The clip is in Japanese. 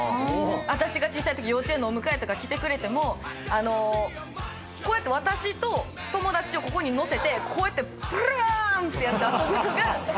私が小さいとき幼稚園のお迎えとか来てくれてもこうやって私と友達をここに乗せてこうやってぶるーんってやって遊ぶのが話題になるぐらい。